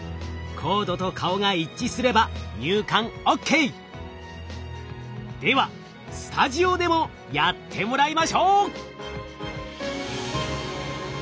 コードと顔が一致すればではスタジオでもやってもらいましょう！